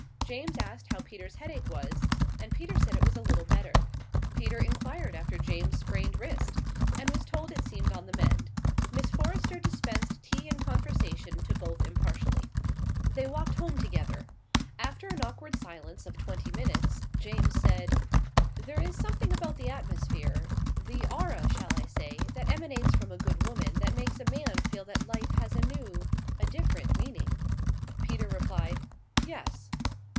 James asked how Peter's headache was, and Peter said it was a little better. Peter inquired after James's sprained wrist, and was told it seemed on the mend. Miss Forrester dispensed tea and conversation to both impartially. They walked home together. After an awkward silence of twenty minutes, James said: "There is something about the atmosphere the aura, shall I say? that emanates from a good woman that makes a man feel that life has a new, a different meaning." Peter replied: "Yes."